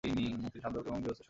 তিনি সাধক এবং গৃহস্থ সন্ন্যাসী।